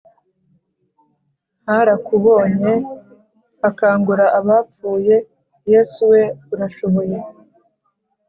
Harakubonye hakangura abapfuye Yesu we urashoboye